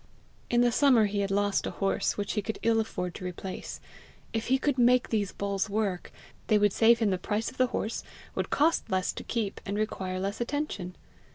In the summer he had lost a horse, which he could ill afford to replace: if he could make these bulls work, they would save him the price of the horse, would cost less to keep, and require less attention!